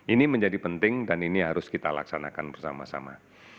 ini menjadi penting dan ini harus kita laksanakan bersama sama